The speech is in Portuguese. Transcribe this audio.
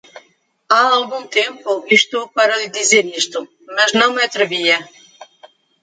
Há algum tempo estou para lhe dizer isto, mas não me atrevia.